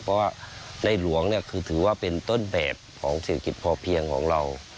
เพราะว่าในหลวงคือถือว่าเป็นต้นแบบของเศรษฐกิจพอเพียงของเรา